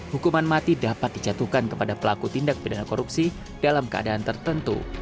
hukuman mati dapat dijatuhkan kepada pelaku tindak pidana korupsi dalam keadaan tertentu